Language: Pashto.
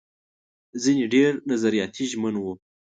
ځينې ډېر نظریاتي ژمن وو.